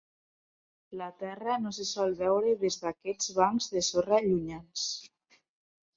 La terra no se sol veure des d'aquests bancs de sorra llunyans.